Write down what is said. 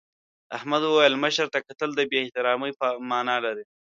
احمد وویل مشر ته کتل د بې احترامۍ مانا لري.